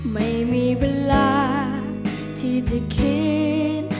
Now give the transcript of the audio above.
ไม่มีเวลาที่จะคิด